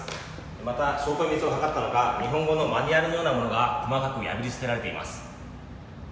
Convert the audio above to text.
また、証拠隠滅を図ったのか日本語のマニュアルのようなものが細かく破り捨てられています。